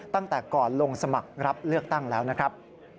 ตั้งแต่ก่อนลงสมัครรับเลือกตั้งแล้วนะครับ